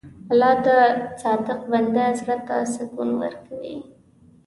الله د صادق بنده زړه ته سکون ورکوي.